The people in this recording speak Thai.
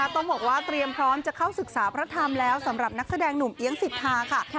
ต้องบอกว่าเตรียมพร้อมจะเข้าศึกษาพระธรรมแล้วสำหรับนักแสดงหนุ่มเอี๊ยงสิทธาค่ะ